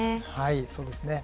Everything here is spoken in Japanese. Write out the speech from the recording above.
そうですね。